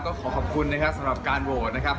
ก็ขอขอบคุณนะครับสำหรับการโหวตนะครับ